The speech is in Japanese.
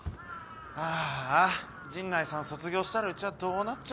ああ陣内さん卒業したらうちはどうなっちゃうんだよ。